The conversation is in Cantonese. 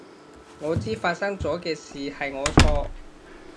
我知發生咗嘅事係我錯